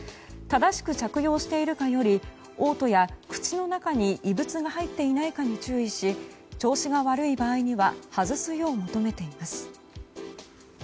正しく着用しているかより嘔吐や、口の中に異物が入っていないかに注意し調子が悪い場合には外すよう求めています。